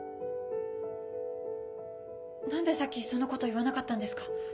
何でさっきそのこと言わなかったんですか？